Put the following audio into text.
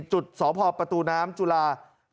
จุดสพประตูน้ำจุฬา